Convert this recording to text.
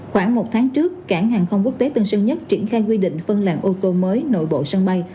khoảng một tháng trước cảng hàng không quốc tế tân sơn nhất triển khai quy định phân làng ô tô mới nội bộ sân bay